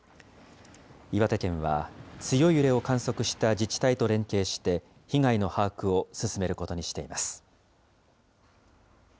岩手県は、強い揺れを観測した自治体と連携して、被害の把握を進めることにしています。